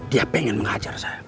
dia pengen menghajar saya